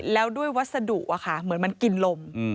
แล้วด้วยวัสดุเหมือนมันกินลม